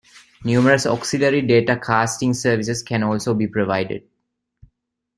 Numerous auxiliary datacasting services can also be provided.